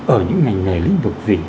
ở những ngành nghề lĩnh vực gì